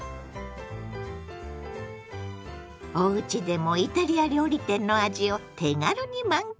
おうちでもイタリア料理店の味を手軽に満喫！